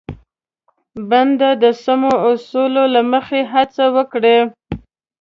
بنده د سمو اصولو له مخې هڅه وکړي.